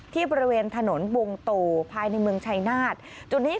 ที่ประเวนถนนบวงตูภายในเมืองชัยนาธิ์